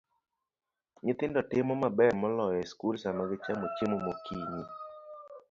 Nyithindo timo maber moloyo e skul sama gichamo chiemo mokinyi.